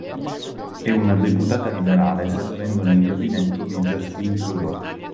È una deputata liberale servendo nel gabinetto di Justin Trudeau.